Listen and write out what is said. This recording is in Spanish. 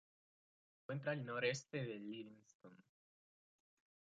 Se encuentra al noreste de Livingstone.